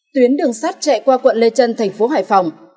tuyến đường sắt chạy qua quận lê trân thành phố hải phòng